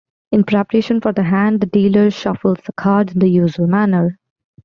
In preparation for the hand the dealer shuffles the cards in the usual manner.